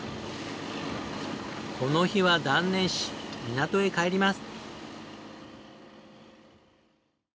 この日は断念し港へ帰ります。